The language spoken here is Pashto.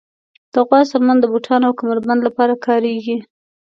د غوا څرمن د بوټانو او کمر بند لپاره کارېږي.